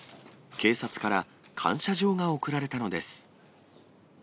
警察から感謝状が贈られたのです。